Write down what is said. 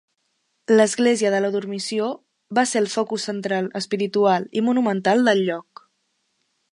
L'Església de la Dormició va ser el focus central espiritual i monumental del lloc.